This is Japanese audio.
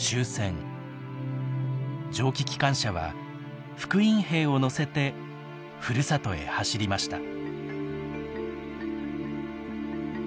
蒸気機関車は復員兵を乗せてふるさとへ走りました。